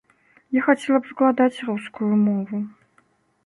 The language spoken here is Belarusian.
Я хацела б выкладаць рускую мову.